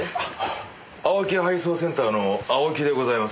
青木配送センターの青木でございます。